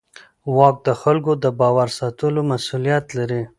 واک د خلکو د باور ساتلو مسوولیت لري.